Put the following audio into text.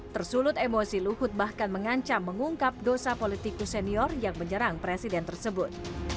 tersulut emosi luhut bahkan mengancam mengungkap dosa politikus senior yang menyerang presiden tersebut